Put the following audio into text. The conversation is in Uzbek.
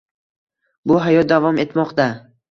Bu hayot davom etmoqda